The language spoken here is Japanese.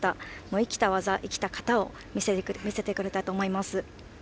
生きた技、生きた形を見せてくれたと思います。